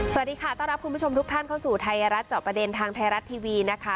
สวัสดีค่ะต้อนรับคุณผู้ชมทุกท่านเข้าสู่ไทยรัฐเจาะประเด็นทางไทยรัฐทีวีนะคะ